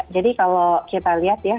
jadi kalau kita lihat ya